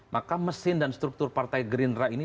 maka mesin dan struktur partai gerindra ini